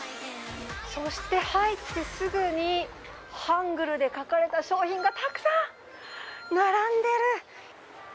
そして入ってすぐにハングルで書かれた商品がたくさん並んでる。